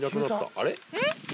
あれ？